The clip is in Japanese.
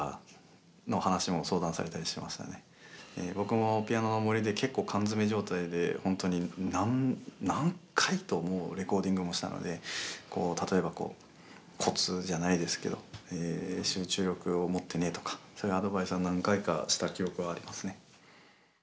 僕も「ピアノの森」でけっこう缶詰め状態でほんとに何何回とレコーディングもしたので例えばこうコツじゃないですけど「集中力を持ってね」とかそういうアドバイスは何回かした記憶はありますね。